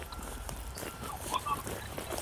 온몸의 힘을 다해서 동혁의 손을 끌어다린다.